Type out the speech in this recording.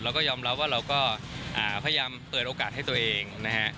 เราก็ยอมรับว่าเราก็พยายามเปิดโอกาสให้ตัวเองนะฮะ